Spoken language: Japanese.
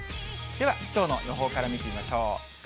では、きょうの予報から見てみましょう。